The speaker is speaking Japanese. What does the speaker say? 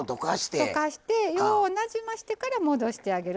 溶かしてようなじましてから戻してあげる。